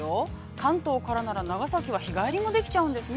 関東からなら、長崎は日帰りもできちゃうんですね。